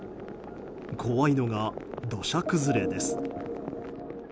怖いのが土砂崩れです。